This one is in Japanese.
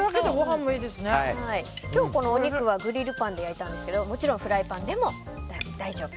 今日、このお肉はグリルパンで焼いたんですがもちろんフライパンでも大丈夫。